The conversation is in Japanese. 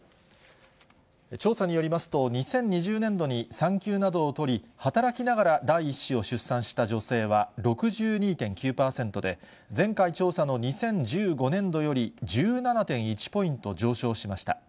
調査によりますと、２０２０年度に産休などを取り、働きながら第１子を出産した女性は６２．９％で、前回調査の２０１５年度より１７．１ポイント上昇しました。